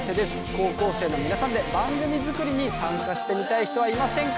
高校生の皆さんで番組作りに参加してみたい人はいませんか？